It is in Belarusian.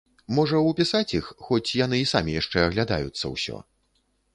Можа, упісаць іх, хоць яны і самі яшчэ аглядаюцца ўсё?